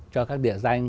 cho các địa danh